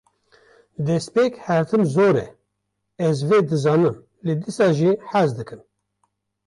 Destpêk herdem zor e, ez vê dizanim lê dîsa jî hez dikim